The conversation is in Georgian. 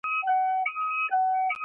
სოფელში ასევე მოქმედებს საბავშვო ბაღი.